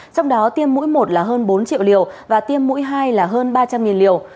trong đó tiêm mũi một là hơn bốn triệu liều và tiêm mũi hai là hơn ba trăm linh liều